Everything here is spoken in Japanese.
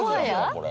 これ。